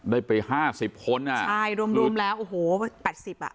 ได้ไปห้าสิบคนอ่ะใช่รวมรวมแล้วโอ้โหแปดสิบอ่ะ